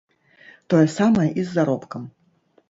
Тое самае і з заробкам.